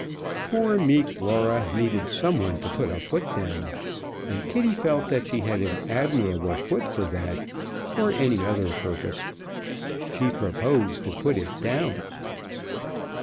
Poor meek Laura needed some one to put a foot down, and Kitty felt that she had an admirable foot for that or any other purpose. She proposed to put it down.